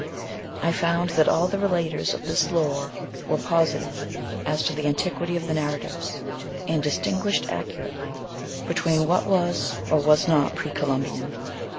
I found that all the relaters of this lore were positive as to the an tiquity of the narratives, and distinguished accurately M618649 iv PREFACE. between what was or was not pre Columbian.